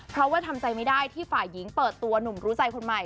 เพราะว่าทำใจไม่ได้ที่ฝ่ายหญิงเปิดตัวหนุ่มรู้ใจคนใหม่